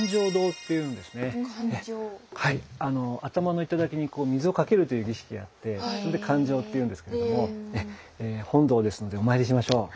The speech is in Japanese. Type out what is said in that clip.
頭の頂に水をかけるという儀式があってそれで灌頂って言うんですけれども本堂ですのでお参りしましょう。